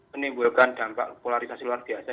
menimbulkan dampak polarisasi luar biasa